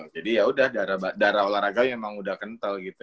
jadi yaudah daerah olahraganya memang udah kental gitu